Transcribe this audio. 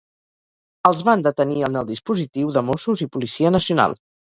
Els van detenir en el dispositiu de Mossos i Policia Nacional.